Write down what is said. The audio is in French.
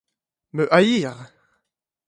Me haïr!